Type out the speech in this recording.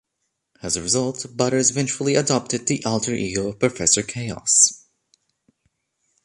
As a result, Butters vengefully adopted the alter ego of Professor Chaos.